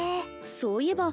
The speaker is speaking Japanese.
そういえば